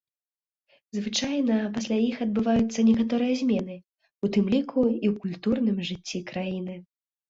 Звычайна, пасля іх адбываюцца некаторыя змены, у тым ліку, і ў культурным жыцці краіны.